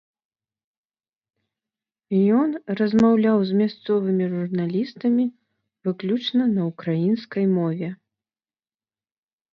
Ён размаўляў з мясцовымі журналістамі выключна на ўкраінскай мове.